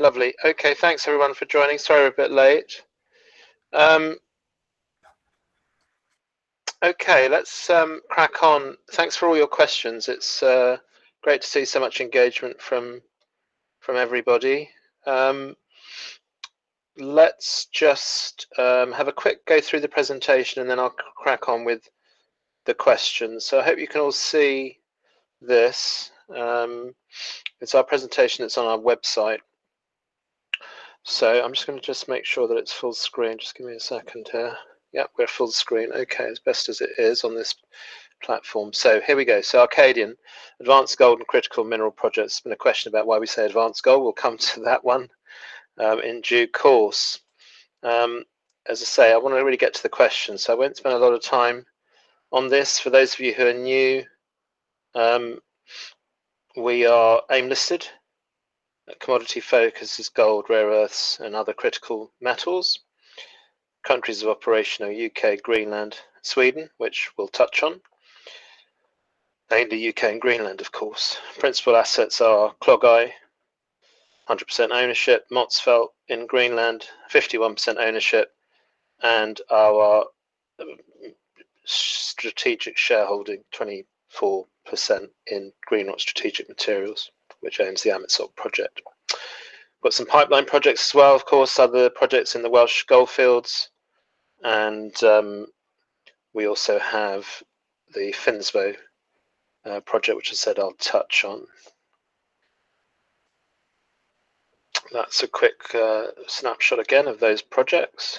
Lovely. Okay, thanks everyone for joining. Sorry we're a bit late. Okay, let's crack on. Thanks for all your questions. It's great to see so much engagement from everybody. Let's just have a quick go through the presentation and then I'll crack on with the questions. I hope you can all see this. It's our presentation that's on our website. I'm just going to just make sure that it's full screen. Just give me a second here. Yep, we're full screen. Okay. As best as it is on this platform. Here we go. Arkadian, advanced gold and critical mineral projects. There's been a question about why we say advanced gold. We'll come to that one in due course. As I say, I want to really get to the questions, so I won't spend a lot of time on this. For those of you who are new, we are AIM-listed. Our commodity focus is gold, rare earths, and other critical metals. Countries of operation are U.K., Greenland, Sweden, which we'll touch on. Mainly U.K. and Greenland, of course. Principal assets are Clogau, 100% ownership. Motzfeldt in Greenland, 51% ownership. Our strategic shareholding, 24% in GreenRoc Strategic Materials, which owns the Amitsoq project. We've got some pipeline projects as well, of course. Other projects in the Welsh gold fields, and we also have the Finnsbo project, which I said I'll touch on. That's a quick snapshot again of those projects.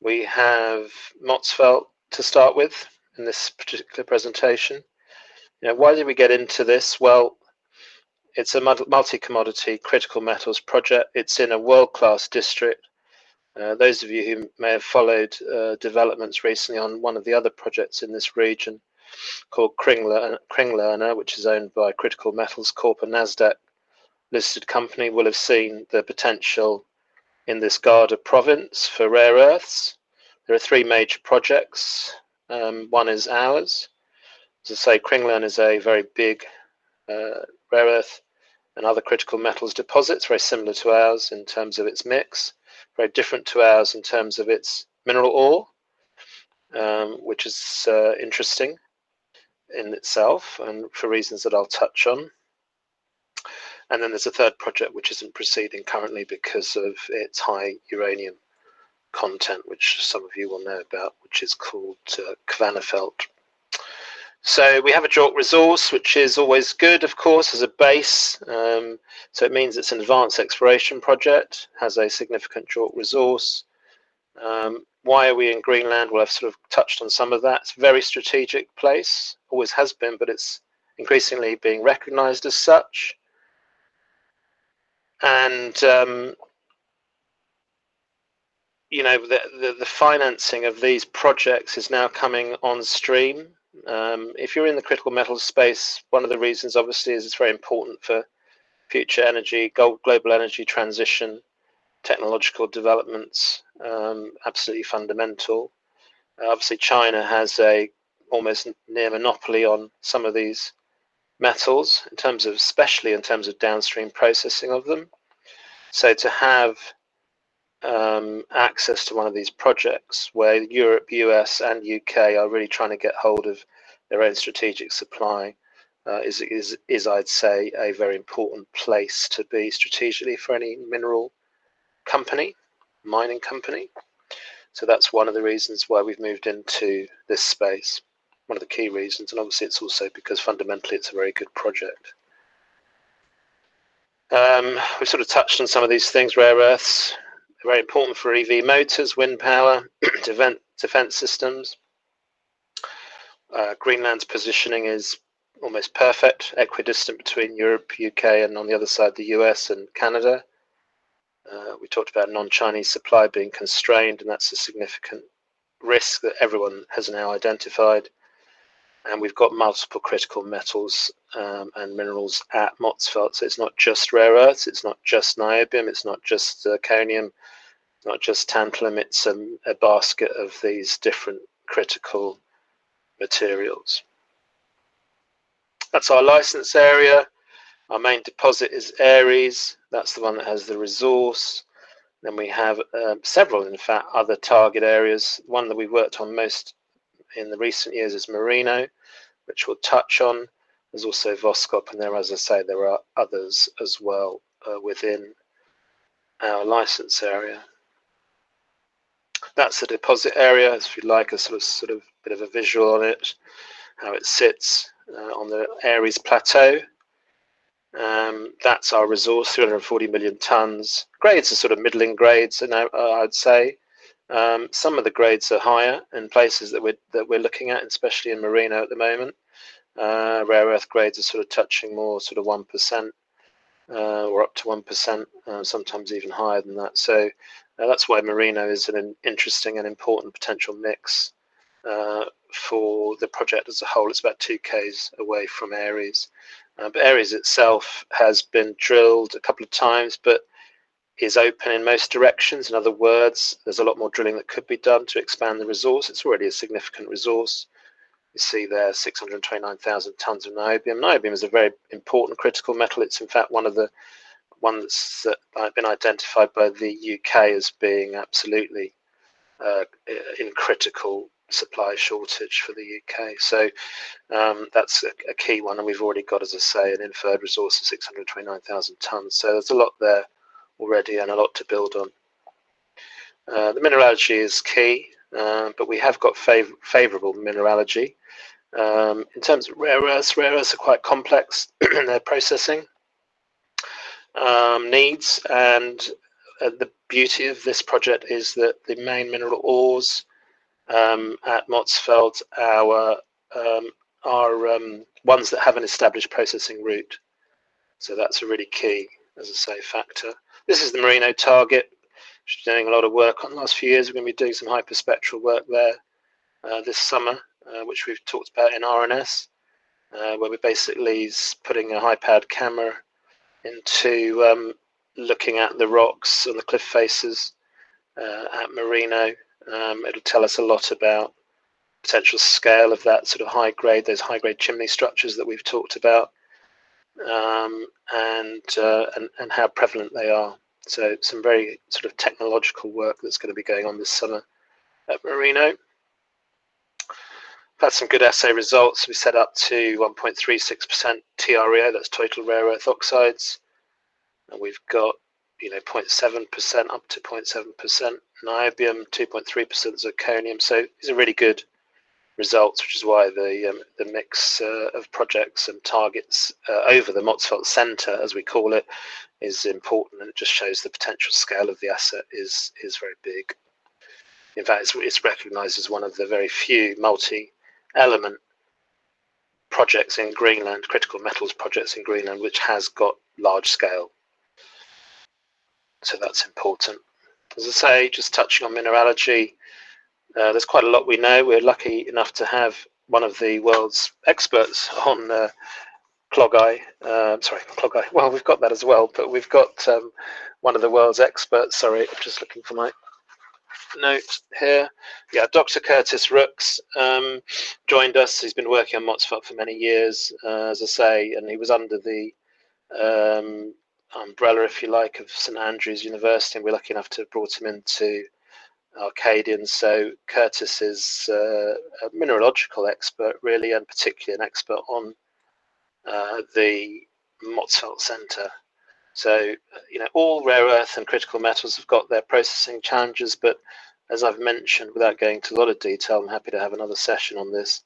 We have Motzfeldt to start with in this particular presentation. Why did we get into this? It's a multi-commodity critical metals project. It's in a world-class district. Those of you who may have followed developments recently on one of the other projects in this region called Kringlerne, which is owned by Critical Metals Corp., a NASDAQ-listed company will have seen the potential in this Gardar Province for rare earths. There are three major projects. One is ours. As I say, Kringlerne is a very big rare earth and other critical metals deposits, very similar to ours in terms of its mix, very different to ours in terms of its mineral ore, which is interesting in itself and for reasons that I'll touch on. There's a third project which isn't proceeding currently because of its high uranium content, which some of you will know about, which is called Kvanefjeld. We have a JORC resource, which is always good, of course, as a base. It means it's an advanced exploration project, has a significant JORC resource. Why are we in Greenland? I've sort of touched on some of that. It's a very strategic place. Always has been, but it's increasingly being recognized as such. The financing of these projects is now coming on stream. If you're in the critical metal space, one of the reasons obviously is it's very important for future energy, global energy transition, technological developments, absolutely fundamental. Obviously, China has an almost near monopoly on some of these metals, especially in terms of downstream processing of them. To have access to one of these projects where Europe, U.S., and U.K. are really trying to get hold of their own strategic supply is I'd say a very important place to be strategically for any mineral company, mining company. That's one of the reasons why we've moved into this space. One of the key reasons. Obviously, it's also because fundamentally it's a very good project. We sort of touched on some of these things. Rare earths are very important for EV motors, wind power, defense systems. Greenland's positioning is almost perfect. Equidistant between Europe, U.K., and on the other side, the U.S. and Canada. We talked about non-Chinese supply being constrained, and that's a significant risk that everyone has now identified. We've got multiple critical metals and minerals at Motzfeldt. It's not just rare earths, it's not just niobium, it's not just zirconium, not just tantalum. It's a basket of these different critical materials. That's our license area. Our main deposit is Aries. That's the one that has the resource. Then we have several, in fact, other target areas. One that we worked on most in the recent years is Merino, which we'll touch on. There's also Voskop. As I say, there are others as well within our license area. That's the deposit area, if you'd like a sort of bit of a visual on it, how it sits on the Aries Plateau. That's our resource, 340 million tons. Grades are sort of middling grades now I'd say. Some of the grades are higher in places that we're looking at, and especially in Merino at the moment. Rare earth grades are sort of touching more sort of 1%, or up to 1%, sometimes even higher than that. That's why Merino is an interesting and important potential mix for the project as a whole. It's about two k's away from Aries. Aries itself has been drilled a couple of times, but is open in most directions. In other words, there's a lot more drilling that could be done to expand the resource. It's already a significant resource. You see there 629,000 tons of niobium. Niobium is a very important critical metal. It's in fact one of the ones that have been identified by the U.K. as being absolutely in critical supply shortage for the U.K. That's a key one. We've already got, as I say, an inferred resource of 629,000 tons. There's a lot there already and a lot to build on. The mineralogy is key. We have got favorable mineralogy. In terms of rare earths, rare earths are quite complex in their processing needs and the beauty of this project is that the main mineral ores at Motzfeldt are ones that have an established processing route. That's a really key, as I say, factor. This is the Merino target, which we've been doing a lot of work on the last few years. We're going to be doing some hyperspectral work there this summer which we've talked about in RNS where we're basically putting a high-powered camera into looking at the rocks and the cliff faces at Merino. It'll tell us a lot about potential scale of those high-grade chimney structures that we've talked about, and how prevalent they are. Some very sort of technological work that's going to be going on this summer at Merino. We've had some good assay results. We set up to 1.36% TREO, that's total rare earth oxides. We've got up to 0.7% niobium, 2.3% zirconium. These are really good results, which is why the mix of projects and targets over the Motzfeldt Centre, as we call it, is important, and it just shows the potential scale of the asset is very big. In fact, it is recognized as one of the very few multi-element projects in Greenland, critical metals projects in Greenland, which has got large scale. That is important. As I say, just touching on mineralogy. There is quite a lot we know. We are lucky enough to have one of the world's experts. Dr. Curtis Rooks joined us. He's been working on Motzfeldt for many years, as I say, and he was under the umbrella, if you like, of University of St Andrews, and we're lucky enough to have brought him into Arkadian. Curtis is a mineralogical expert really, and particularly an expert on the Motzfeldt Centre. All rare earth and critical metals have got their processing challenges, but as I've mentioned, without going into a lot of detail, I'm happy to have another session on this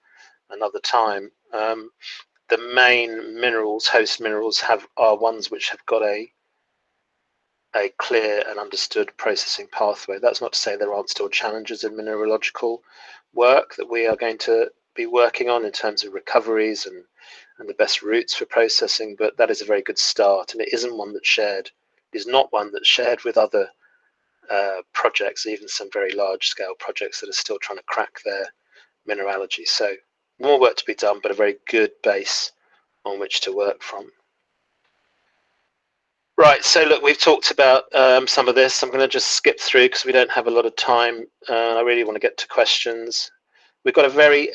another time. The main host minerals are ones which have got a clear and understood processing pathway. That's not to say there aren't still challenges in mineralogical work that we are going to be working on in terms of recoveries and the best routes for processing, but that is a very good start, and it is not one that's shared with other projects, even some very large-scale projects that are still trying to crack their mineralogy. More work to be done, but a very good base on which to work from. Right. Look, we've talked about some of this. I'm going to just skip through because we don't have a lot of time. I really want to get to questions. We've got a very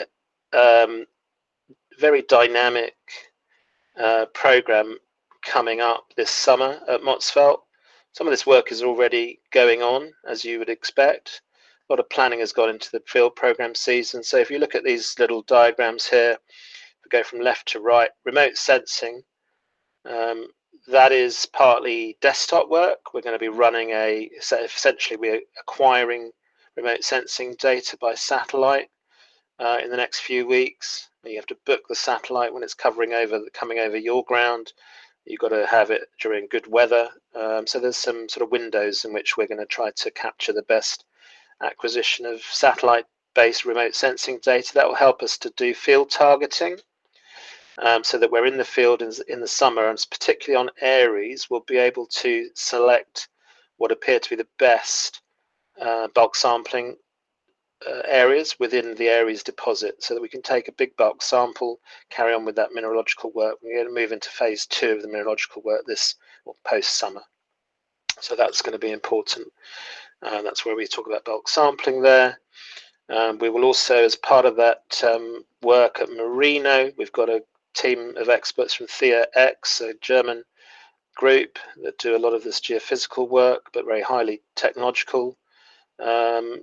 dynamic program coming up this summer at Motzfeldt. Some of this work is already going on, as you would expect. A lot of planning has gone into the field program season. If you look at these little diagrams here, if we go from left to right. Remote sensing, that is partly desktop work. We're going to be acquiring remote sensing data by satellite in the next few weeks. You have to book the satellite when it's coming over your ground. You've got to have it during good weather. There's some sort of windows in which we're going to try to capture the best acquisition of satellite-based remote sensing data. That will help us to do field targeting, so that we're in the field in the summer, and particularly on Aries, we'll be able to select what appear to be the best bulk sampling areas within the Aries deposit, so that we can take a big bulk sample, carry on with that mineralogical work. We're going to move into phase II of the mineralogical work post summer. That's going to be important. That's where we talk about bulk sampling there. We will also, as part of that work at Merino, we've got a team of experts from TheiaX a German group that do a lot of this geophysical work, but very highly technological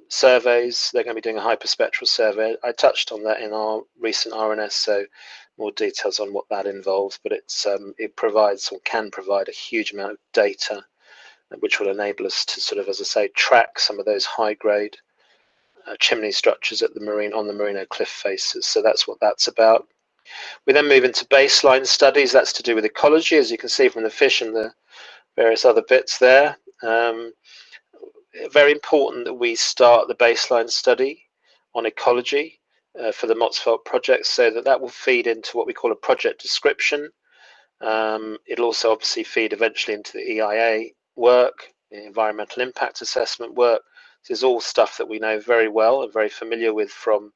surveys. They're going to be doing a hyperspectral survey. I touched on that in our recent RNS. More details on what that involves. It provides or can provide a huge amount of data which will enable us to sort of, as I say, track some of those high-grade chimney structures on the Merino cliff faces. That's what that's about. We move into baseline studies. That's to do with ecology, as you can see from the fish and the various other bits there. Very important that we start the baseline study on ecology for the Motzfeldt project. That will feed into what we call a project description. It'll also obviously feed eventually into the EIA work, the environmental impact assessment work. This is all stuff that we know very well and are very familiar with from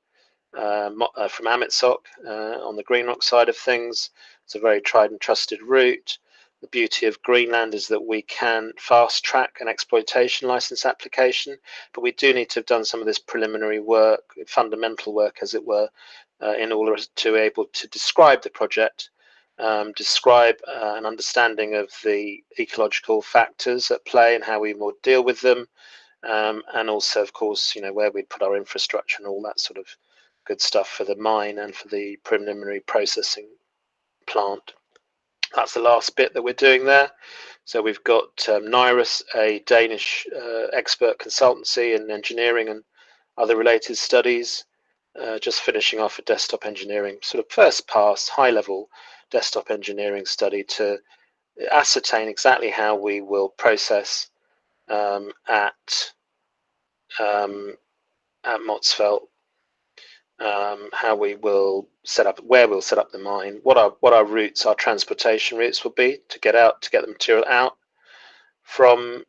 Amitsoq on the GreenRoc side of things. It's a very tried and trusted route. The beauty of Greenland is that we can fast-track an exploitation license application, but we do need to have done some of this preliminary work, fundamental work as it were, in order to able to describe the project, describe an understanding of the ecological factors at play and how we will deal with them. Also, of course, where we'd put our infrastructure and all that sort of good stuff for the mine and for the preliminary processing plant. That's the last bit that we're doing there. We've got NIRAS, a Danish expert consultancy in engineering and other related studies, just finishing off a desktop engineering sort of first pass, high-level desktop engineering study to ascertain exactly how we will process at Motzfeldt. How we will set up, where we'll set up the mine, what our transportation routes will be to get the material out from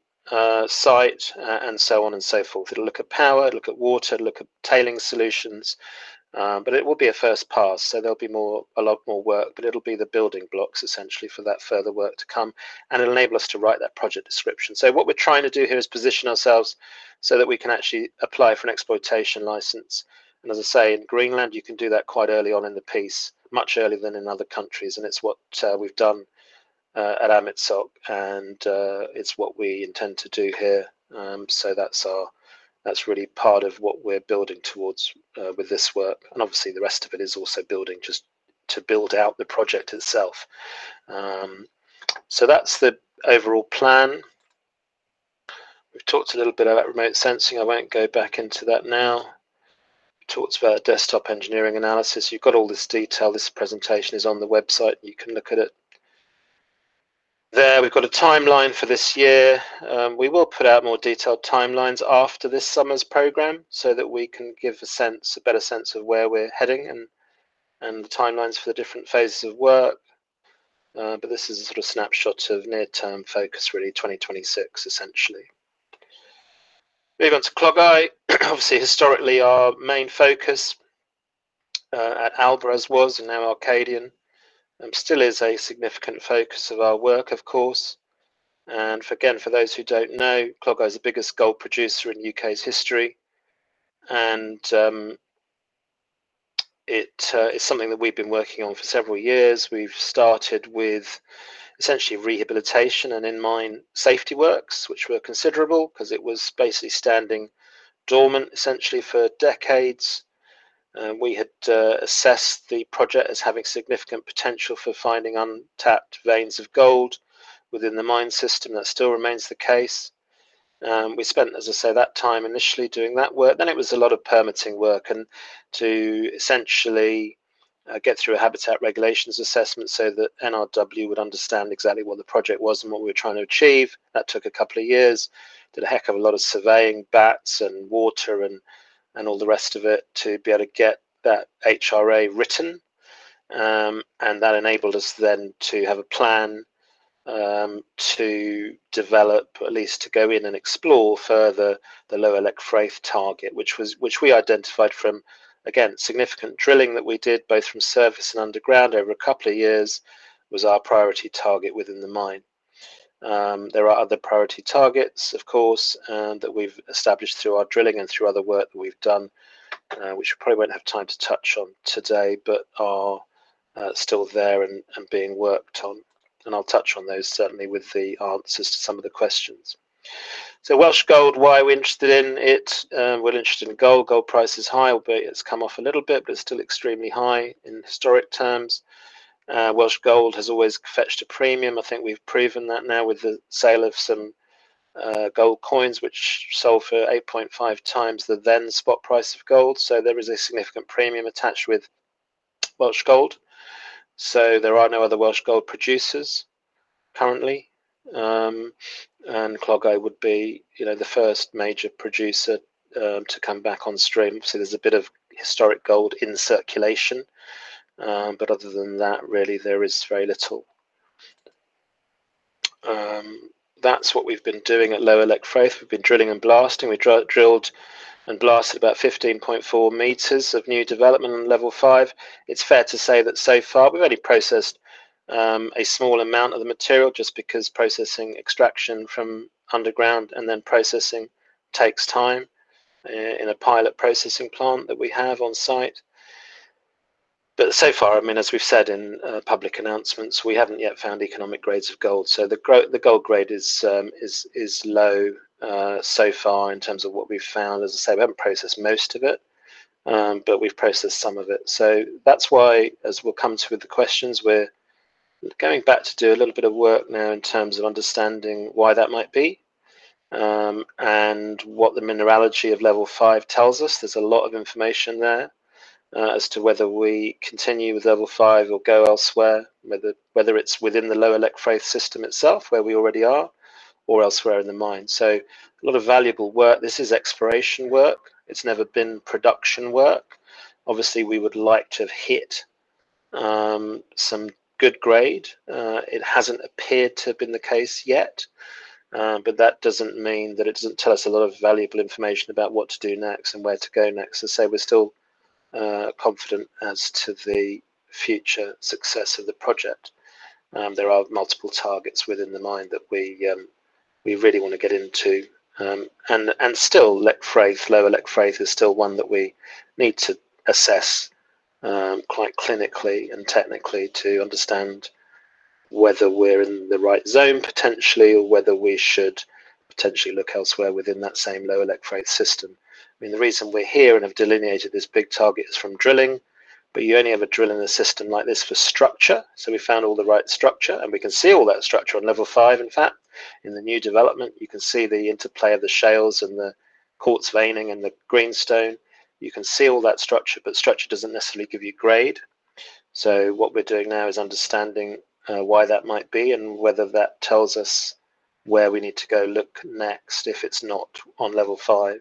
site and so on and so forth. It'll look at power, look at water, look at tailing solutions. It will be a first pass. There'll be a lot more work, but it'll be the building blocks essentially for that further work to come, and it'll enable us to write that project description. What we're trying to do here is position ourselves so that we can actually apply for an exploitation license. As I say, in Greenland you can do that quite early on in the piece, much earlier than in other countries. It's what we've done at Amitsoq and it's what we intend to do here. That's really part of what we're building towards with this work. Obviously the rest of it is also building just to build out the project itself. That's the overall plan. We've talked a little bit about remote sensing. I won't go back into that now. Talked about desktop engineering analysis. You've got all this detail. This presentation is on the website and you can look at it there. We've got a timeline for this year. We will put out more detailed timelines after this summer's program so that we can give a better sense of where we're heading and the timelines for the different phases of work. This is a sort of snapshot of near-term focus really 2026 essentially. Moving on to Clogau. Obviously historically our main focus at Alba was and now Arkadian, still is a significant focus of our work of course. Again, for those who don't know, Clogau is the biggest gold producer in U.K.'s history and it is something that we've been working on for several years. We've started with essentially rehabilitation and in-mine safety works, which were considerable because it was basically standing dormant essentially for decades. We had assessed the project as having significant potential for finding untapped veins of gold within the mine system. That still remains the case. We spent, as I say, that time initially doing that work. It was a lot of permitting work and to essentially get through a Habitat Regulations Assessment so that NRW would understand exactly what the project was and what we were trying to achieve. That took a couple of years. Did a heck of a lot of surveying bats and water and all the rest of it to be able to get that HRA written. That enabled us then to have a plan to develop, at least to go in and explore further the Lower Llechfraith target, which we identified from, again, significant drilling that we did both from surface and underground over a couple of years, was our priority target within the mine. There are other priority targets, of course, that we've established through our drilling and through other work that we've done, which we probably won't have time to touch on today, but are still there and being worked on. I'll touch on those certainly with the answers to some of the questions. Welsh gold, why are we interested in it? We're interested in gold. Gold price is high, albeit it's come off a little bit, but it's still extremely high in historic terms. Welsh gold has always fetched a premium. I think we've proven that now with the sale of some gold coins, which sold for 8.5x the then spot price of gold. There is a significant premium attached with Welsh gold. There are no other Welsh gold producers currently. Clogau would be the first major producer to come back on stream. There's a bit of historic gold in circulation. Other than that really there is very little. That's what we've been doing at Lower Llechfraith. We've been drilling and blasting. We drilled and blasted about 15.4 m of new development on level five. It's fair to say that so far we've only processed a small amount of the material just because processing extraction from underground and then processing takes time in a pilot processing plant that we have on site. So far, as we've said in public announcements, we haven't yet found economic grades of gold. The gold grade is low so far in terms of what we've found. As I say, we haven't processed most of it, but we've processed some of it. That's why, as we'll come to with the questions, we're going back to do a little bit of work now in terms of understanding why that might be, and what the mineralogy of level five tells us. There's a lot of information there as to whether we continue with level five or go elsewhere, whether it's within the Lower Llechfraith system itself where we already are or elsewhere in the mine. A lot of valuable work. This is exploration work. It's never been production work. Obviously we would like to have hit some good grade. It hasn't appeared to have been the case yet, but that doesn't mean that it doesn't tell us a lot of valuable information about what to do next and where to go next. As I say, we're still confident as to the future success of the project. There are multiple targets within the mine that we really want to get into. Still, Lower Llechfraith is still one that we need to assess quite clinically and technically to understand whether we're in the right zone potentially, or whether we should potentially look elsewhere within that same Lower Llechfraith system. The reason we're here and have delineated this big target is from drilling, you only ever drill in a system like this for structure. We found all the right structure, and we can see all that structure on level five in fact. In the new development, you can see the interplay of the shales and the quartz veining and the greenstone. You can see all that structure doesn't necessarily give you grade. What we're doing now is understanding why that might be and whether that tells us where we need to go look next if it's not on level five.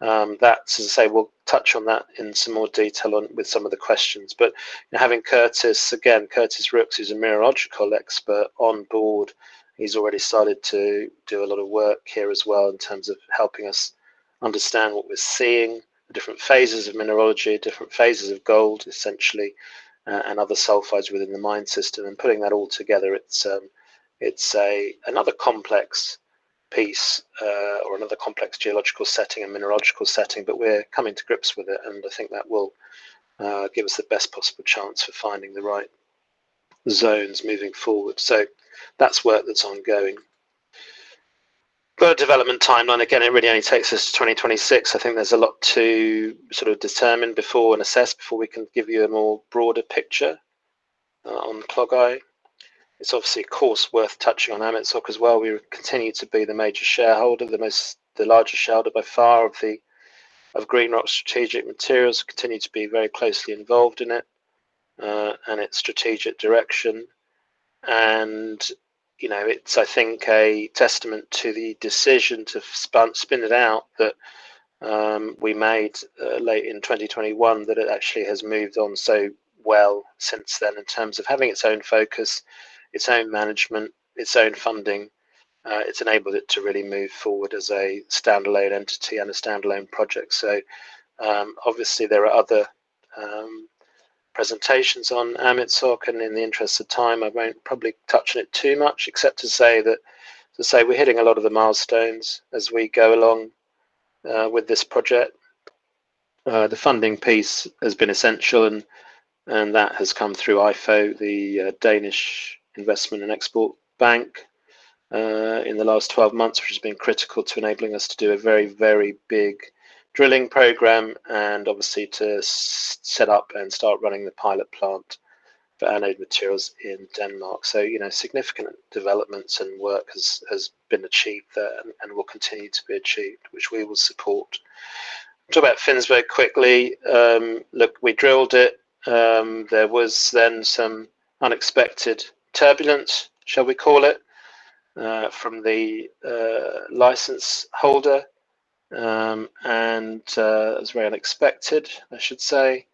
That's to say we'll touch on that in some more detail with some of the questions. In having Curtis, again, Curtis Rooks, who's a mineralogical expert on board, he's already started to do a lot of work here as well in terms of helping us understand what we're seeing, the different phases of mineralogy, different phases of gold, essentially, and other sulfides within the mine system, and putting that all together. It's another complex piece or another complex geological setting and mineralogical setting, we're coming to grips with it, and I think that will give us the best possible chance for finding the right zones moving forward. That's work that's ongoing. For a development timeline, again, it really only takes us to 2026. I think there's a lot to determine before and assess before we can give you a more broader picture on Clogau. It's obviously, of course, worth touching on Amitsoq as well. We continue to be the major shareholder, the largest shareholder by far of GreenRoc Strategic Materials. Continue to be very closely involved in it and its strategic direction. It's, I think, a testament to the decision to spin it out that we made late in 2021 that it actually has moved on so well since then in terms of having its own focus, its own management, its own funding. It's enabled it to really move forward as a standalone entity and a standalone project. Obviously there are other presentations on Amitsoq, and in the interest of time, I won't probably touch on it too much except to say we're hitting a lot of the milestones as we go along with this project. The funding piece has been essential and that has come through EIFO, the Export and Investment Fund of Denmark in the last 12 months, which has been critical to enabling us to do a very big drilling program and obviously to set up and start running the pilot plant for anode materials in Denmark. Significant developments and work has been achieved there and will continue to be achieved, which we will support. Talk about Finnsbo very quickly. Look, we drilled it. There was then some unexpected turbulence, shall we call it, from the license holder. It was very unexpected, I should say.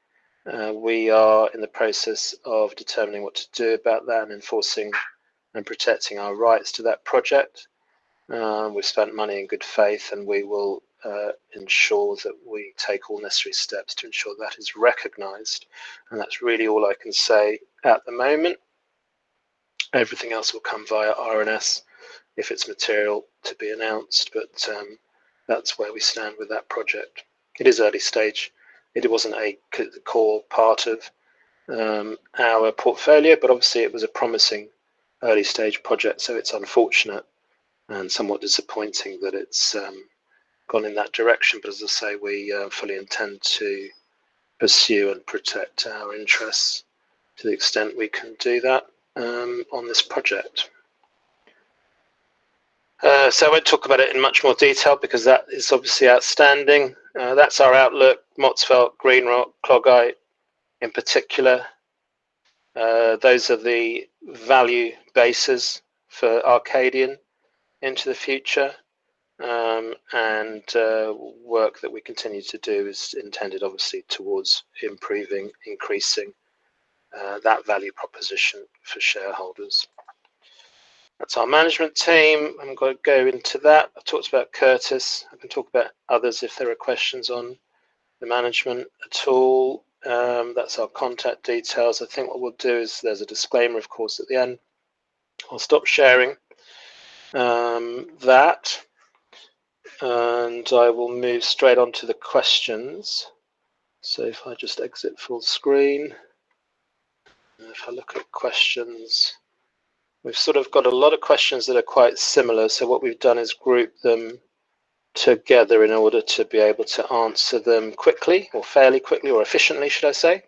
We are in the process of determining what to do about that and enforcing and protecting our rights to that project. We've spent money in good faith, and we will ensure that we take all necessary steps to ensure that is recognized. That's really all I can say at the moment. Everything else will come via RNS if it's material to be announced. That's where we stand with that project. It is early stage. It wasn't a core part of our portfolio, obviously it was a promising early-stage project, so it's unfortunate and somewhat disappointing that it's gone in that direction. As I say, we fully intend to pursue and protect our interests to the extent we can do that on this project. I won't talk about it in much more detail because that is obviously outstanding. That's our outlook. Motzfeldt, GreenRoc, Clogau in particular. Those are the value bases for Arkadian into the future. Work that we continue to do is intended obviously towards improving, increasing that value proposition for shareholders. That's our management team. I'm not going to go into that. I've talked about Curtis. I can talk about others if there are questions on the management at all. That's our contact details. I think what we'll do is there's a disclaimer, of course, at the end. I'll stop sharing that, I will move straight onto the questions. If I just exit full screen. If I look at questions. We've sort of got a lot of questions that are quite similar. What we've done is group them together in order to be able to answer them quickly or fairly quickly or efficiently, should I say.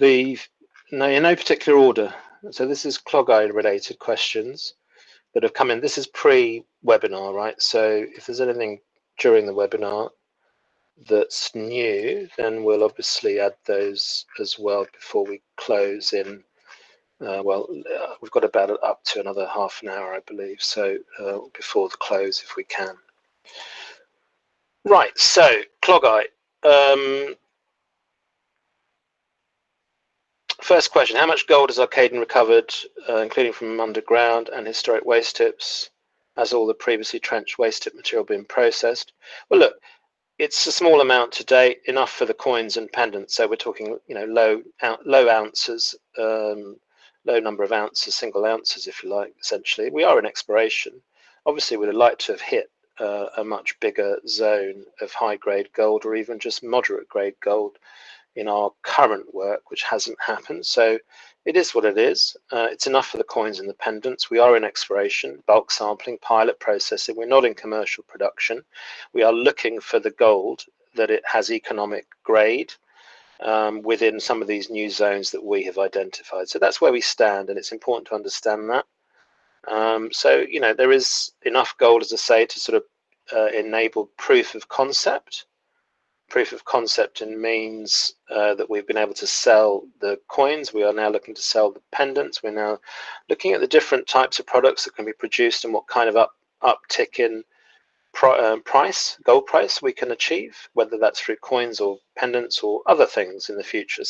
In no particular order. This is Clogau-related questions that have come in. This is pre-webinar, right? If there's anything during the webinar that's new, then we'll obviously add those as well before we close in we've got about up to another half an hour I believe, before the close if we can. Right. Clogau. First question, how much gold has Arkadian recovered, including from underground and historic waste tips as all the previously trench wasted material being processed? Look, it's a small amount to date enough for the coins and pendants. We're talking low ounces, low number of ounces, single ounces, if you like essentially. We are an exploration. Obviously, we'd have liked to have hit a much bigger zone of high-grade gold or even just moderate-grade gold in our current work, which hasn't happened. It is what it is. It's enough for the coins and the pendants. We are in exploration, bulk sampling, pilot processing. We're not in commercial production. We are looking for the gold that it has economic grade within some of these new zones that we have identified. That's where we stand, and it's important to understand that. There is enough gold, as I say, to sort of enable proof of concept. Proof of concept means that we've been able to sell the coins. We are now looking to sell the pendants. We're now looking at the different types of products that can be produced and what kind of uptick in gold price we can achieve, whether that's through coins or pendants or other things in the future.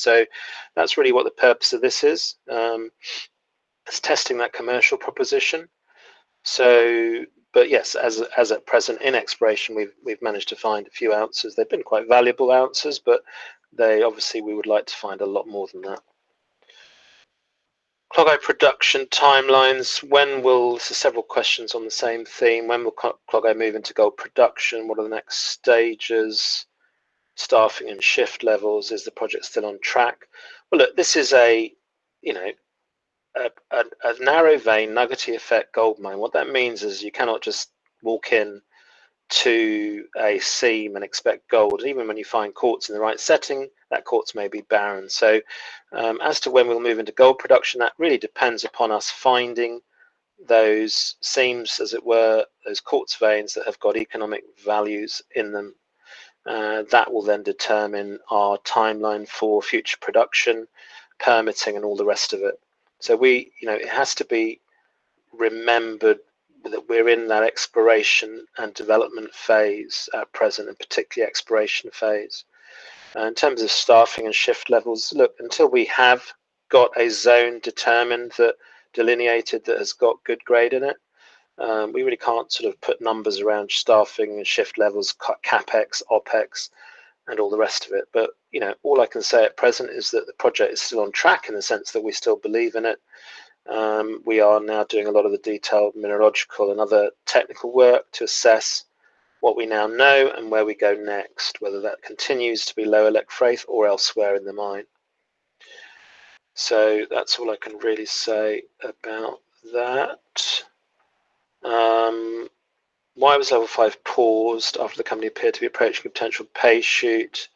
That's really what the purpose of this is testing that commercial proposition. Yes, as at present in exploration, we've managed to find a few ounces. They've been quite valuable ounces, but obviously we would like to find a lot more than that. Clogau production timelines. Several questions on the same theme. When will Clogau move into gold production? What are the next stages? Staffing and shift levels. Is the project still on track? This is a narrow vein nuggety effect gold mine. What that means is you cannot just walk in to a seam and expect gold. Even when you find quartz in the right setting, that quartz may be barren. As to when we'll move into gold production, that really depends upon us finding those seams, as it were, those quartz veins that have got economic values in them. That will determine our timeline for future production, permitting, and all the rest of it. It has to be remembered that we are in that exploration and development phase at present, and particularly exploration phase. In terms of staffing and shift levels, until we have got a zone determined that delineated that has got good grade in it, we really can't sort of put numbers around staffing and shift levels, CapEx, OpEx, and all the rest of it. All I can say at present is that the project is still on track in the sense that we still believe in it. We are now doing a lot of the detailed mineralogical and other technical work to assess what we now know and where we go next, whether that continues to be Lower Llechfraith or elsewhere in the mine. That's all I can really say about that. Why was level five paused after the company appeared to be approaching a potential pay chute?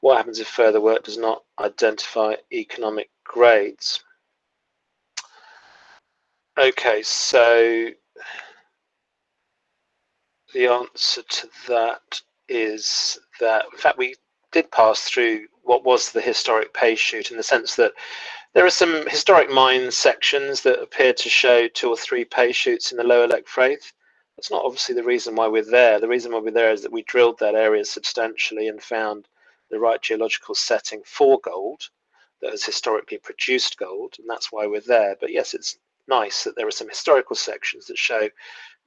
What happens if further work does not identify economic grades? The answer to that is that in fact we did pass through what was the historic pay chute in the sense that there are some historic mine sections that appear to show two or three pay shoots in the Lower Llechfraith. That's not obviously the reason why we are there. The reason why we are there is that we drilled that area substantially and found the right geological setting for gold that has historically produced gold, and that's why we're there. Yes, it's nice that there are some historical sections that show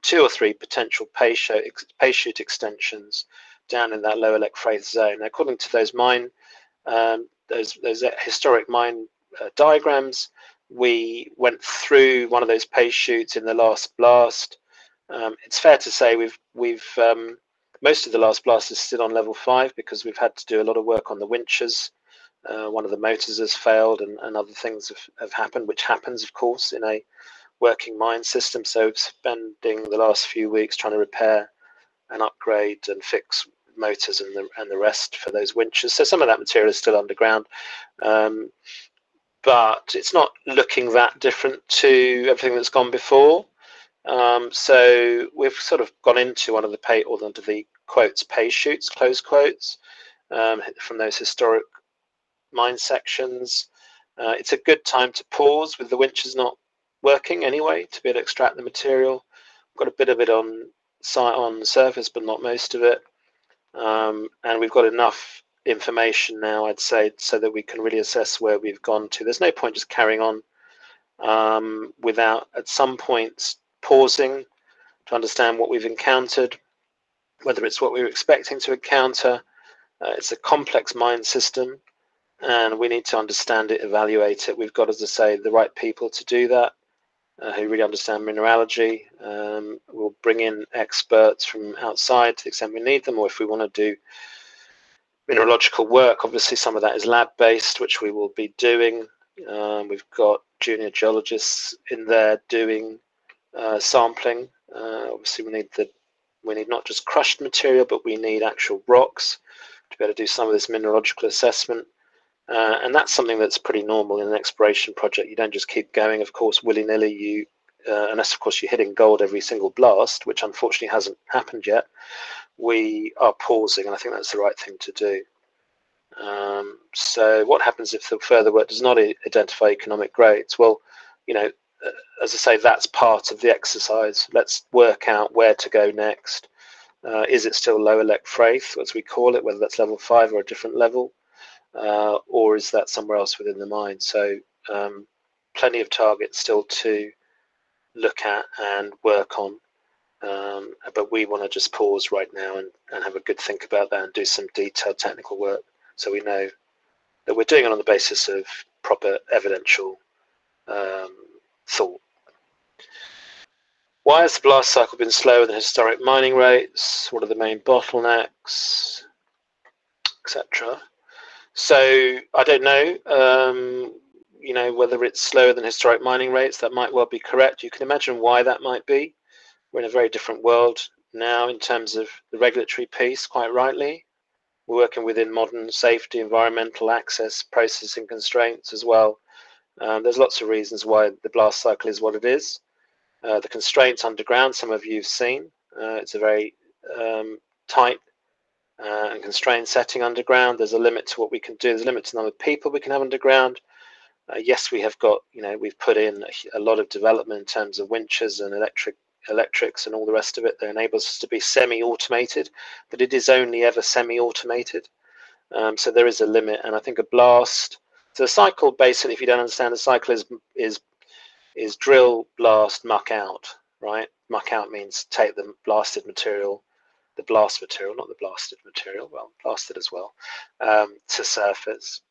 two or three potential pay chute extensions down in that Lower Llechfraith zone. According to those mine, those historic mine diagrams, we went through one of those pay chutes in the last blast. It's fair to say most of the last blast is still on level five because we've had to do a lot of work on the winches. One of the motors has failed and other things have happened, which happens of course in a working mine system. Spending the last few weeks trying to repair and upgrade and fix motors and the rest for those winches. Some of that material is still underground. It's not looking that different to everything that's gone before. We've sort of gone into one of the pay or into the pay chutes from those historic mine sections. It's a good time to pause with the winches not working anyway to be able to extract the material. We've got a bit of it on site on the surface, but not most of it. We've got enough information now, I'd say, so that we can really assess where we've gone to. There's no point just carrying on without at some point pausing to understand what we've encountered, whether it's what we were expecting to encounter. It's a complex mine system and we need to understand it, evaluate it. We've got, as I say, the right people to do that who really understand mineralogy. We'll bring in experts from outside to the extent we need them or if we want to do mineralogical work. Obviously, some of that is lab based, which we will be doing. We've got junior geologists in there doing sampling. Obviously we need not just crushed material, but we need actual rocks to be able to do some of this mineralogical assessment. That's something that's pretty normal in an exploration project. You don't just keep going, of course, willy-nilly, unless of course you're hitting gold every single blast, which unfortunately hasn't happened yet. We are pausing and I think that's the right thing to do. What happens if the further work does not identify economic grades? Well, as I say, that's part of the exercise. Let's work out where to go next. Is it still Lower Llechfraith, as we call it, whether that's level five or a different level? Is that somewhere else within the mine? Plenty of targets still to look at and work on. We want to just pause right now and have a good think about that and do some detailed technical work so we know that we're doing it on the basis of proper evidential thought. Why has the blast cycle been slower than historic mining rates? What are the main bottlenecks, et cetera? I don't know whether it's slower than historic mining rates. That might well be correct. You can imagine why that might be. We're in a very different world now in terms of the regulatory piece, quite rightly. We're working within modern safety, environmental access, processing constraints as well. There's lots of reasons why the blast cycle is what it is. The constraints underground, some of you have seen. It's a very tight and constrained setting underground. There's a limit to what we can do. There's a limit to the number of people we can have underground. Yes, we've put in a lot of development in terms of winches and electrics and all the rest of it that enables us to be semi-automated, but it is only ever semi-automated. There is a limit. The cycle, basically, if you don't understand, the cycle is drill, blast, muck out. Right? Muck out means take the blasted material, the blast material, not the blasted material, well, blasted as well, to surface.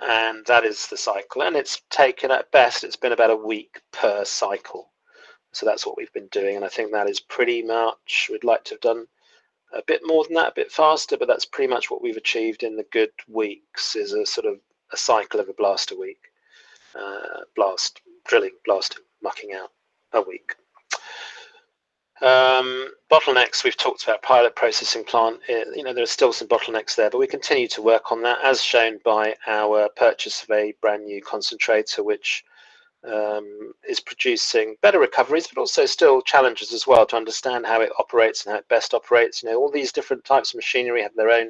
That is the cycle. At best, it's been about a week per cycle. That's what we've been doing, and I think that is pretty much. We'd like to have done a bit more than that, a bit faster, but that's pretty much what we've achieved in the good weeks, is a sort of a cycle of a blast a week. Drilling, blasting, mucking out a week. Bottlenecks, we've talked about pilot processing plant. There are still some bottlenecks there, but we continue to work on that, as shown by our purchase of a brand-new concentrator, which is producing better recoveries, but also still challenges as well to understand how it operates and how it best operates. All these different types of machinery have their own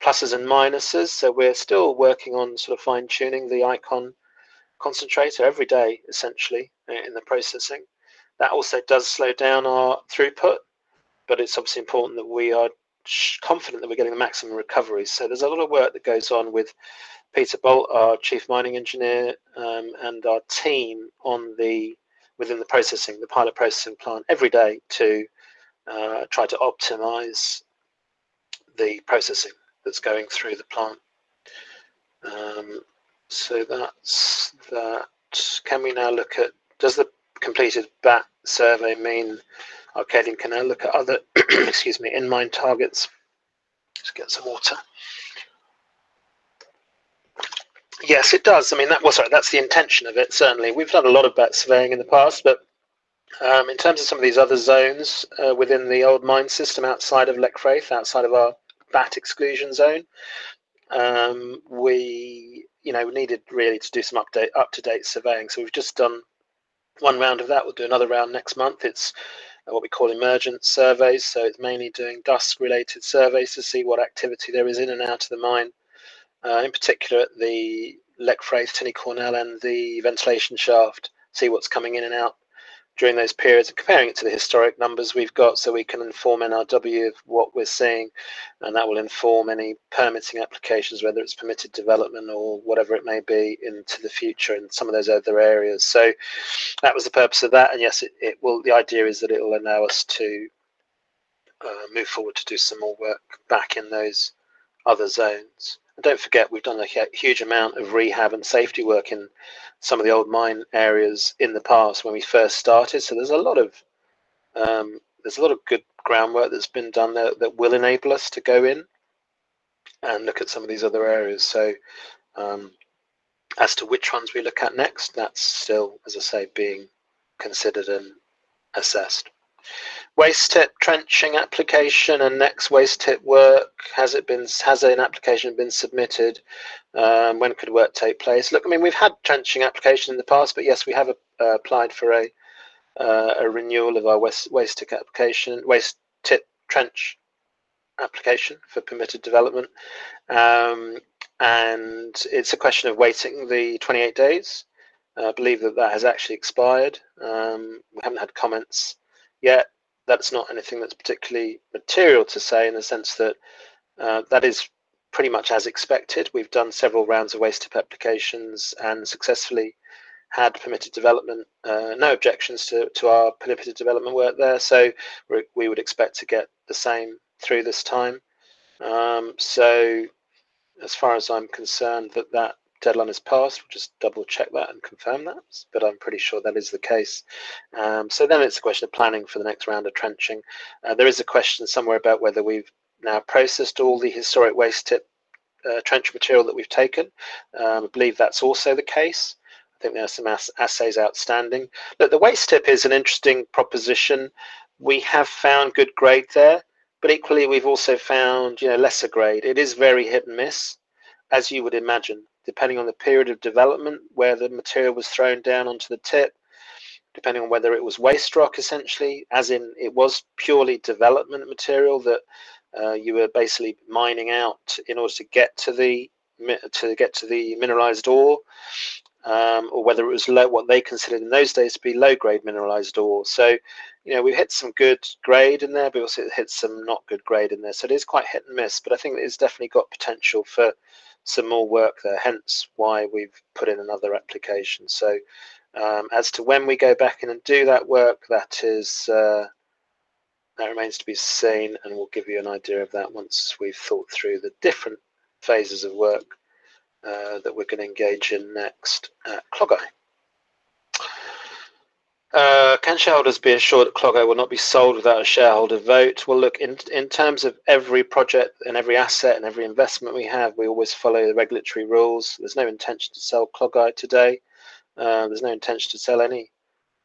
pluses and minuses. We're still working on sort of fine-tuning the iCON concentrator every day, essentially, in the processing. That also does slow down our throughput, but it's obviously important that we are confident that we're getting the maximum recovery. There's a lot of work that goes on with Peter Bolt, our Chief Mining Engineer, and our team within the processing, the pilot processing plant every day to try to optimize the processing that's going through the plant. That's that. Does the completed bat survey mean Arkadian can now look at other, excuse me, in-mine targets? Just get some water. Yes, it does. Sorry, that's the intention of it, certainly. We've done a lot of bat surveying in the past, but in terms of some of these other zones within the old mine system outside of Llechfraith, outside of our bat exclusion zone, we needed really to do some up-to-date surveying. We've just done one round of that. We'll do another round next month. It's what we call emergent surveys, so it's mainly doing dusk-related surveys to see what activity there is in and out of the mine. In particular, the Llechfraith and Ty'n y Cornel and the ventilation shaft. See what's coming in and out during those periods and comparing it to the historic numbers we've got so we can inform NRW of what we're seeing, and that will inform any permitting applications, whether it's permitted development or whatever it may be into the future in some of those other areas. That was the purpose of that, and yes, the idea is that it'll allow us to move forward to do some more work back in those other zones. Don't forget, we've done a huge amount of rehab and safety work in some of the old mine areas in the past when we first started. There's a lot of good groundwork that's been done there that will enable us to go in and look at some of these other areas. As to which ones we look at next, that's still, as I say, being considered and assessed. Waste tip trenching application and next waste tip work. Has an application been submitted? When could work take place? We've had trenching application in the past. Yes, we have applied for a renewal of our waste tip trench application for permitted development. It's a question of waiting the 28 days. I believe that has actually expired. We haven't had comments yet. That's not anything that's particularly material to say in the sense that is pretty much as expected. We've done several rounds of waste tip applications and successfully had permitted development. No objections to our permitted development work there. We would expect to get the same through this time. As far as I'm concerned, that deadline has passed. We'll just double-check that and confirm that. I'm pretty sure that is the case. It's a question of planning for the next round of trenching. There is a question somewhere about whether we've now processed all the historic waste tip trench material that we've taken. I believe that's also the case. I think we have some assays outstanding. The waste tip is an interesting proposition. We have found good grade there. Equally, we've also found lesser grade. It is very hit and miss as you would imagine, depending on the period of development where the material was thrown down onto the tip, depending on whether it was waste rock essentially, as in it was purely development material that you were basically mining out in order to get to the mineralized ore, or whether it was what they considered in those days to be low-grade mineralized ore. We've hit some good grade in there. Obviously it hit some not good grade in there. It is quite hit-and-miss. I think it's definitely got potential for some more work there, hence why we've put in another application. As to when we go back in and do that work, that remains to be seen, and we'll give you an idea of that once we've thought through the different phases of work that we're going to engage in next at Clogau. Can shareholders be assured that Clogau will not be sold without a shareholder vote? In terms of every project and every asset and every investment we have, we always follow the regulatory rules. There's no intention to sell Clogau today. There's no intention to sell any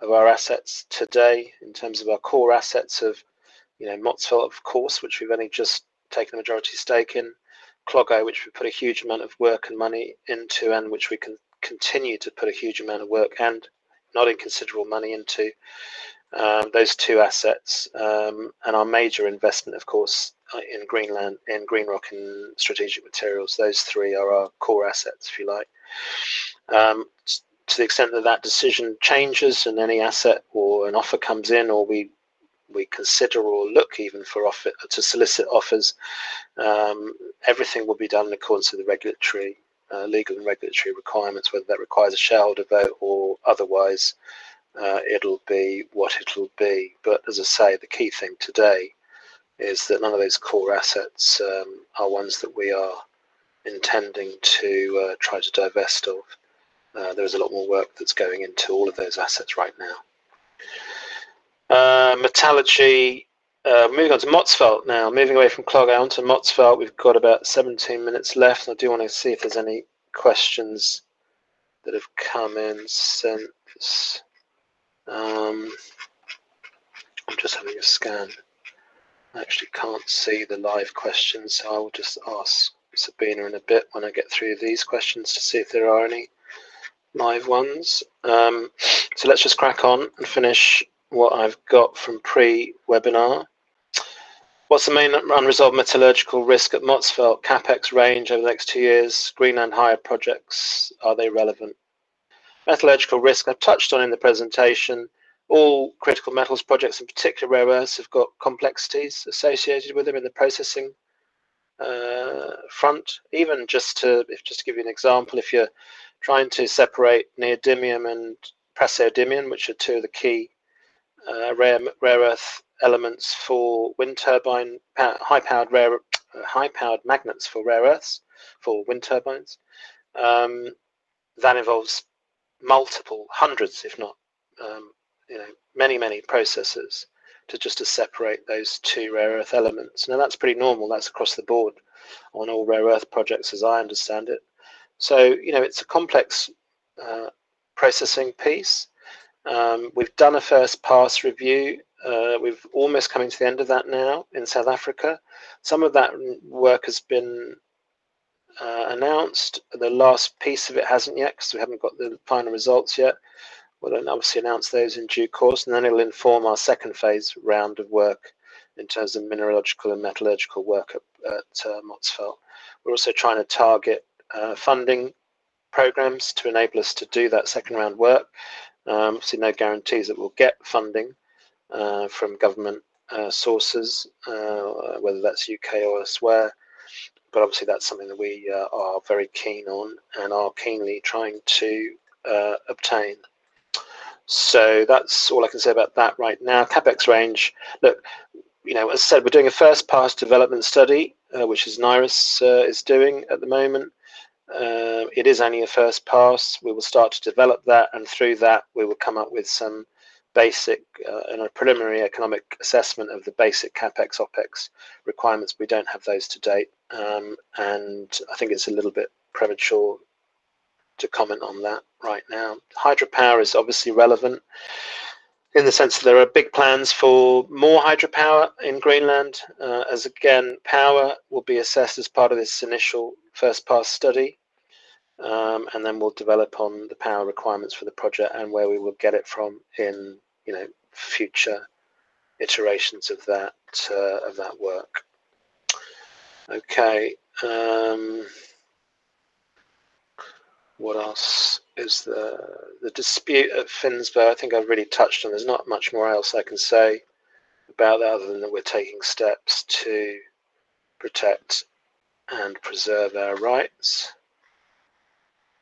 of our assets today in terms of our core assets of Motzfeldt, of course, which we've only just taken a majority stake in. Clogau, which we put a huge amount of work and money into, and which we can continue to put a huge amount of work and not inconsiderable money into. Those two assets, and our major investment, of course, in Greenland and GreenRoc Strategic Materials, those three are our core assets, if you like. To the extent that that decision changes in any asset or an offer comes in or we consider or look even to solicit offers, everything will be done in accordance to the legal and regulatory requirements, whether that requires a shareholder vote or otherwise it'll be what it'll be. As I say, the key thing today is that none of those core assets are ones that we are intending to try to divest of. There is a lot more work that's going into all of those assets right now. Metallurgy. Moving on to Motzfeldt now. Moving away from Clogau onto Motzfeldt. We've got about 17 minutes left. I do want to see if there's any questions that have come in since. I'm just having a scan. I actually can't see the live questions, so I'll just ask Sabina in a bit when I get through these questions to see if there are any live ones. Let's just crack on and finish what I've got from pre-webinar. What's the main unresolved metallurgical risk at Motzfeldt? CapEx range over the next two years? Greenland hydro projects, are they relevant? Metallurgical risk I've touched on in the presentation. All critical metals projects, and particularly rare earths, have got complexities associated with them in the processing front. Even just to give you an example, if you're trying to separate neodymium and praseodymium, which are two of the key rare earth elements for high-powered magnets for rare earths for wind turbines, that involves multiple hundreds if not many, many processes just to separate those two rare earth elements. That's pretty normal. That's across the board on all rare earth projects as I understand it. It's a complex processing piece. We've done a first-pass review. We've almost coming to the end of that now in South Africa. Some of that work has been announced. The last piece of it hasn't yet because we haven't got the final results yet. We'll then obviously announce those in due course, and then it will inform our second-phase round of work in terms of mineralogical and metallurgical work at Motzfeldt. We're also trying to target funding programs to enable us to do that second-round work. Obviously, no guarantees that we'll get funding from government sources whether that's U.K. or elsewhere. Obviously that's something that we are very keen on and are keenly trying to obtain. That's all I can say about that right now. CapEx range. Look, as I said, we're doing a first-pass development study which NIRAS is doing at the moment. It is only a first pass. We will start to develop that, and through that we will come up with some basic and a preliminary economic assessment of the basic CapEx, OpEx requirements. We don't have those to date. I think it's a little bit premature to comment on that right now. Hydropower is obviously relevant in the sense that there are big plans for more hydropower in Greenland. As again, power will be assessed as part of this initial first-pass study, and then we'll develop on the power requirements for the project and where we will get it from in future iterations of that work. Okay. What else? The dispute at Finnsbo, I think I've really touched on. There's not much more else I can say about that other than that we're taking steps to protect and preserve our rights.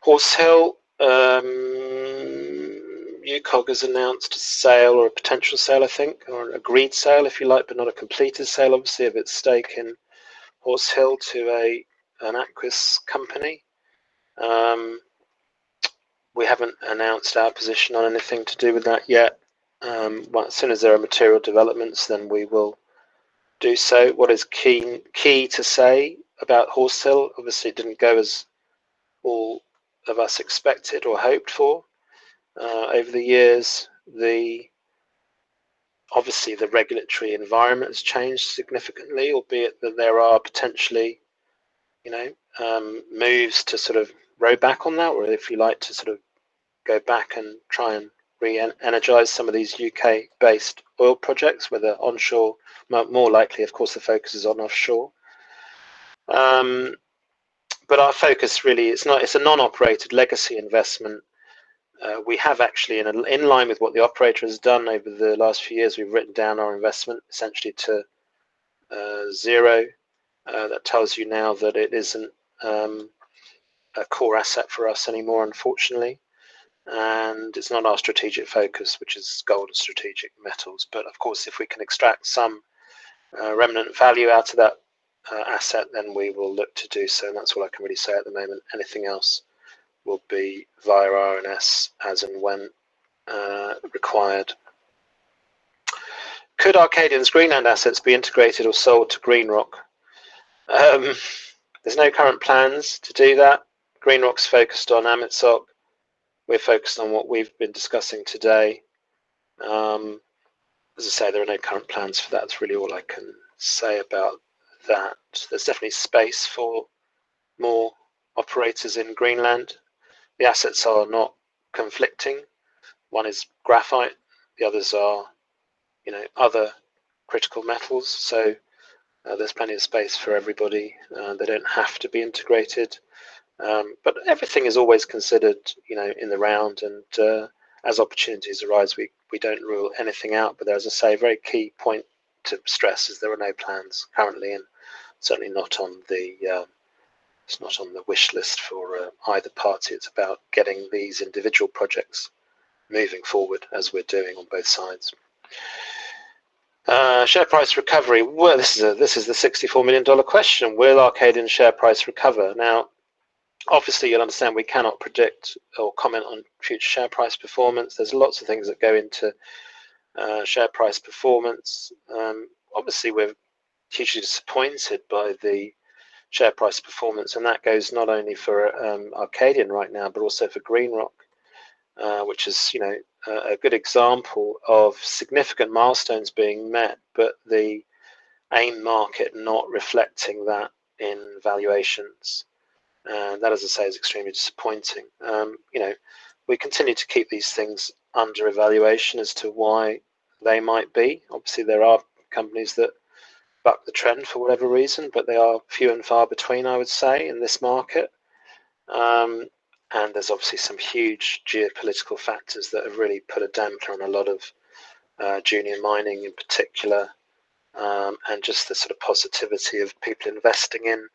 Horse Hill, UKOG has announced a sale or a potential sale, I think, or agreed sale if you like, but not a completed sale obviously of its stake in Horse Hill to an Aquis company. We haven't announced our position on anything to do with that yet. As soon as there are material developments, then we will do so. What is key to say about Horse Hill, obviously it didn't go as all of us expected or hoped for. Over the years, obviously, the regulatory environment has changed significantly, albeit that there are potentially moves to sort of row back on that, or if you like to sort of go back and try and re-energize some of these U.K.-based oil projects, whether onshore, more likely, of course, the focus is on offshore. Our focus really, it's a non-operated legacy investment. We have actually in line with what the operator has done over the last few years, we've written down our investment essentially to zero. That tells you now that it isn't a core asset for us anymore, unfortunately. It's not our strategic focus, which is gold and strategic metals. Of course, if we can extract some remnant value out of that asset, then we will look to do so. That's all I can really say at the moment. Anything else will be via RNS as and when required. Could Arkadian's Greenland assets be integrated or sold to GreenRoc? There's no current plans to do that. GreenRoc's focused on Amitsoq. We're focused on what we've been discussing today. As I say, there are no current plans for that. That's really all I can say about that. There's definitely space for more operators in Greenland. The assets are not conflicting. One is graphite, the others are other critical metals. There's plenty of space for everybody. They don't have to be integrated. Everything is always considered in the round and as opportunities arise, we don't rule anything out. As I say, a very key point to stress is there are no plans currently, and certainly it's not on the wish list for either party. It's about getting these individual projects moving forward as we're doing on both sides. Share price recovery. Well, this is the $64 million question. Will Arkadian share price recover? Now, obviously you'll understand we cannot predict or comment on future share price performance. There's lots of things that go into share price performance. Obviously, we're hugely disappointed by the share price performance, and that goes not only for Arkadian right now, but also for GreenRoc, which is a good example of significant milestones being met, but the AIM market not reflecting that in valuations. That, as I say, is extremely disappointing. We continue to keep these things under evaluation as to why they might be. Obviously, there are companies that buck the trend for whatever reason, but they are few and far between, I would say, in this market. There's obviously some huge geopolitical factors that have really put a damper on a lot of junior mining in particular, and just the sort of positivity of people investing in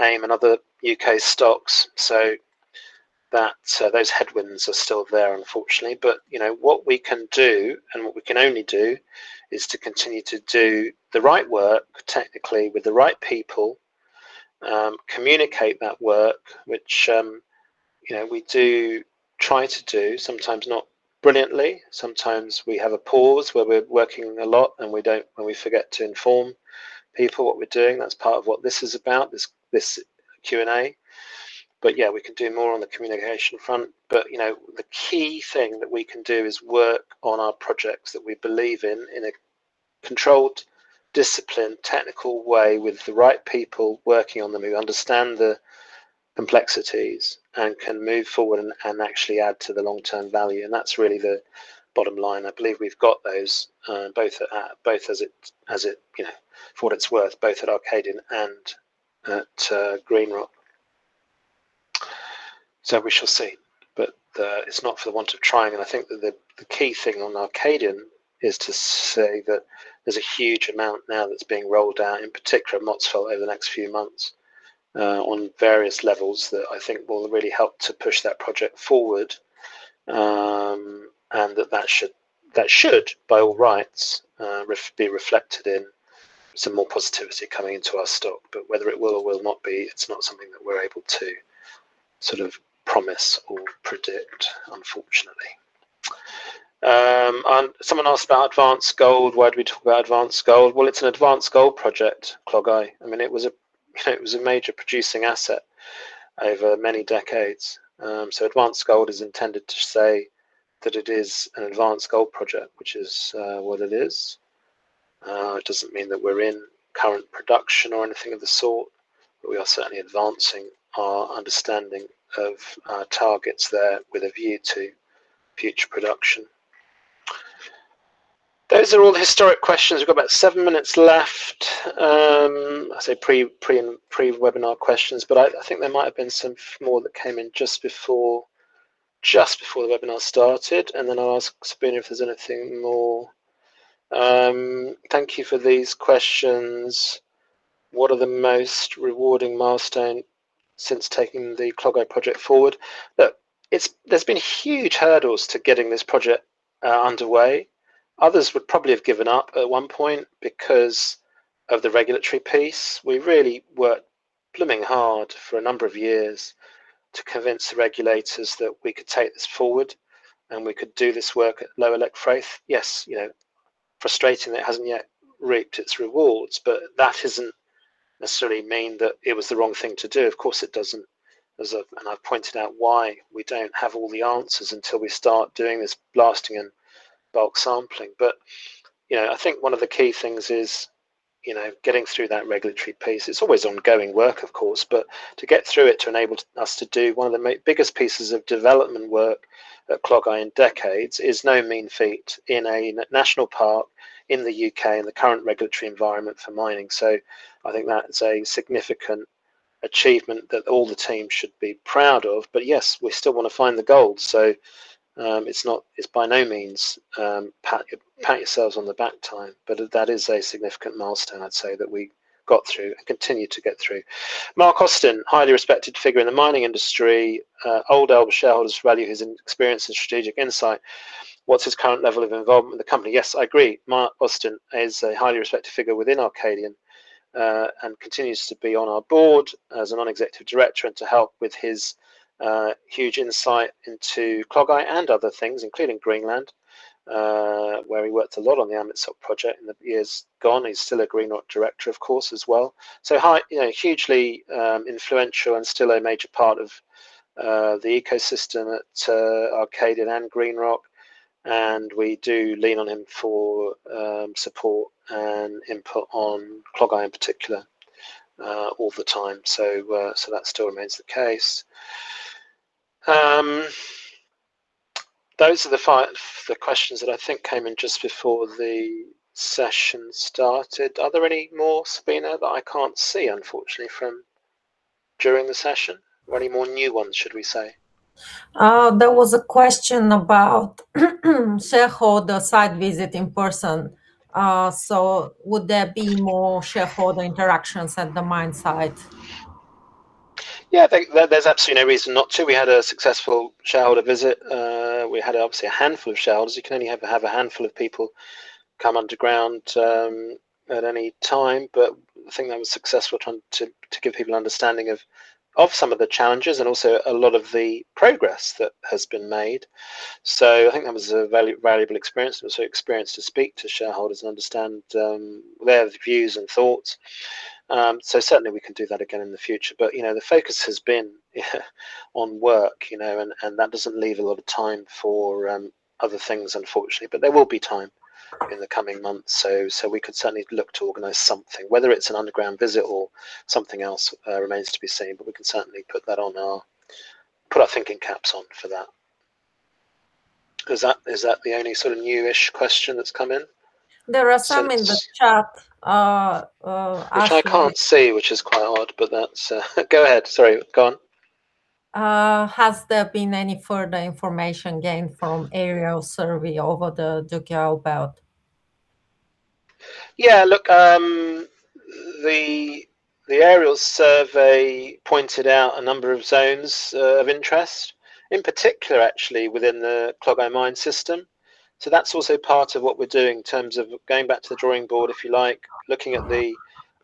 AIM and other U.K. stocks. Those headwinds are still there, unfortunately. What we can do and what we can only do is to continue to do the right work technically with the right people, communicate that work, which we do try to do sometimes not brilliantly. Sometimes we have a pause where we're working a lot and we forget to inform people what we're doing. That's part of what this is about, this Q&A. Yeah, we can do more on the communication front. The key thing that we can do is work on our projects that we believe in a controlled, disciplined, technical way with the right people working on them who understand the complexities and can move forward and actually add to the long-term value. That's really the bottom line. I believe we've got those both as it, for what it's worth, both at Arkadian and at GreenRoc. We shall see. It's not for the want of trying. I think that the key thing on Arkadian is to say that there's a huge amount now that's being rolled out, in particular at Motzfeldt over the next few months on various levels that I think will really help to push that project forward and that should, by all rights, be reflected in some more positivity coming into our stock. Whether it will or will not be, it's not something that we're able to sort of promise or predict, unfortunately. Someone asked about advanced gold. Why do we talk about advanced gold? Well, it's an advanced gold project, Clogau. It was a major producing asset over many decades. Advanced gold is intended to say that it is an advanced gold project, which is what it is. It doesn't mean that we're in current production or anything of the sort, but we are certainly advancing our understanding of our targets there with a view to future production. Those are all the historic questions. We've got about seven minutes left. I say pre-webinar questions, but I think there might have been some more that came in just before the webinar started, and then I'll ask Sabina if there's anything more. Thank you for these questions. What are the most rewarding milestones since taking the Clogau Project forward? Look, there's been huge hurdles to getting this project underway. Others would probably have given up at one point because of the regulatory piece. We really worked blooming hard for a number of years to convince the regulators that we could take this forward and we could do this work at Lower Llechfraith. Yes, frustrating that it hasn't yet reaped its rewards, but that isn't necessarily mean that it was the wrong thing to do? Of course, it doesn't, and I've pointed out why we don't have all the answers until we start doing this blasting and bulk sampling. I think one of the key things is getting through that regulatory piece. It's always ongoing work, of course, but to get through it to enable us to do one of the biggest pieces of development work at Clogau in decades is no mean feat in a national park in the U.K. and the current regulatory environment for mining. I think that is a significant achievement that all the team should be proud of. Yes, we still want to find the gold, so it's by no means pat yourselves on the back time, but that is a significant milestone I'd say that we got through and continue to get through. Mark Austin, highly respected figure in the mining industry. Old elder shareholders value his experience and strategic insight. What's his current level of involvement with the company? Yes, I agree. Mark Austin is a highly respected figure within Arkadian and continues to be on our board as a non-executive director and to help with his huge insight into Clogau and other things, including Greenland, where he worked a lot on the Amitsoq project in the years gone. He's still a GreenRoc director of course, as well. Hugely influential and still a major part of the ecosystem at Arkadian and GreenRoc, and we do lean on him for support and input on Clogau in particular all the time. That still remains the case. Those are the questions that I think came in just before the session started. Are there any more, Sabina, that I can't see unfortunately from during the session or any more new ones, should we say? There was a question about shareholder site visit in person. Would there be more shareholder interactions at the mine site? Yeah. There's absolutely no reason not to. We had a successful shareholder visit. We had obviously a handful of shareholders. You can only have a handful of people come underground at any time. I think that was successful trying to give people an understanding of some of the challenges and also a lot of the progress that has been made. I think that was a valuable experience. It was an experience to speak to shareholders and understand their views and thoughts. Certainly we can do that again in the future. The focus has been on work and that doesn't leave a lot of time for other things, unfortunately. There will be time in the coming months. We could certainly look to organize something. Whether it's an underground visit or something else remains to be seen, but we can certainly put our thinking caps on for that. Is that the only sort of new-ish question that's come in? There are some in the chat. Which I can't see, which is quite odd. Go ahead. Sorry. Go on. Has there been any further information gained from aerial survey over the Dolgellau belt? Yeah. Look, the aerial survey pointed out a number of zones of interest, in particular actually within the Clogau mine system. That's also part of what we're doing in terms of going back to the drawing board, if you like, looking at the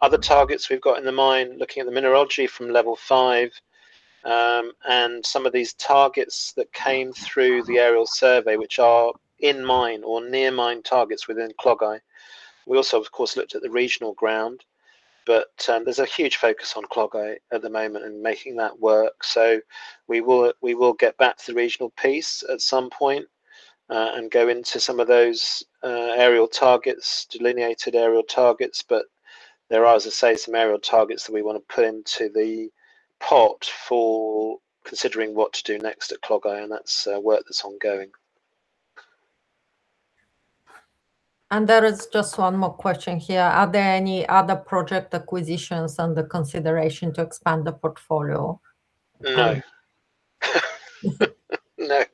other targets we've got in the mine, looking at the mineralogy from level five, and some of these targets that came through the aerial survey, which are in-mine or near-mine targets within Clogau. We also, of course, looked at the regional ground, there's a huge focus on Clogau at the moment and making that work. We will get back to the regional piece at some point and go into some of those aerial targets, delineated aerial targets. There are, as I say, some aerial targets that we want to put into the pot for considering what to do next at Clogau, that's work that's ongoing. There is just one more question here. Are there any other project acquisitions under consideration to expand the portfolio? No. No.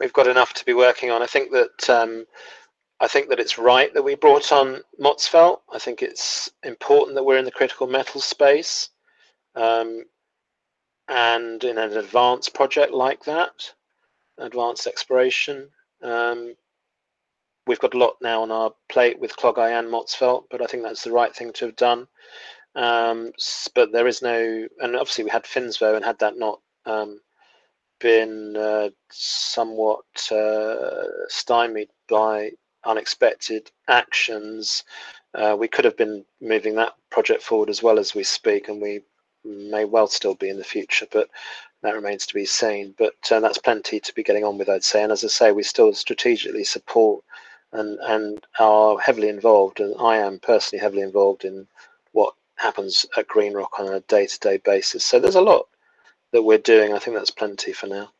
We've got enough to be working on. I think that it's right that we brought on Motzfeldt. I think it's important that we're in the critical metal space, and in an advanced project like that, advanced exploration. We've got a lot now on our plate with Clogau and Motzfeldt, I think that's the right thing to have done. Obviously we had Finnsbo and had that not been somewhat stymied by unexpected actions, we could have been moving that project forward as well as we speak, and we may well still be in the future, that remains to be seen. That's plenty to be getting on with, I'd say. As I say, we still strategically support and are heavily involved, and I am personally heavily involved in what happens at GreenRoc on a day-to-day basis. There's a lot that we're doing. I think that's plenty for now.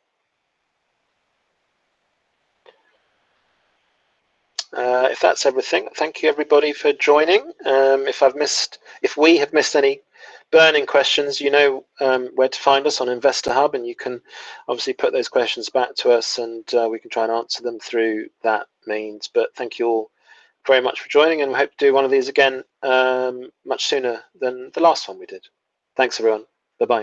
If that's everything, thank you everybody for joining. If we have missed any burning questions, you know where to find us on InvestorHub, and you can obviously put those questions back to us and we can try and answer them through that means. Thank you all very much for joining, and we hope to do one of these again much sooner than the last one we did. Thanks, everyone. Bye-bye.